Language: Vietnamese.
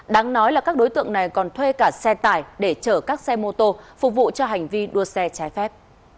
đáng nói là các đối tượng này còn thuê cả xe tải để chở các xe mô tô phục vụ cho hành vi đua xe trái phép